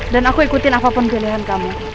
dan aku ikutin apapun keadaan kamu